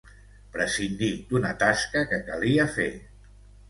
Prescindir d'una tasca que calia fer.